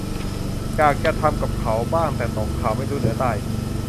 อยากจะทำกะเขาบ้างแต่ตกข่าว ไม่รู้เหนือใต้